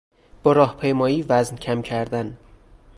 با راهپیمایی وزن کم کردن